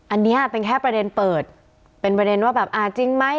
อันนี้เป็นแค่ประเด็นเปิดเป็นประเด็นว่าแบบอ่าจริงไหม